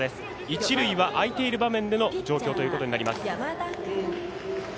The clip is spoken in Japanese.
一塁は空いている場面での状況ということになります。